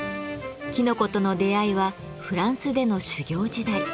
きのことの出会いはフランスでの修業時代。